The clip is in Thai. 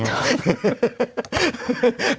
ครับ